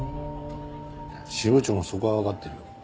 支部長もそこはわかってるよ。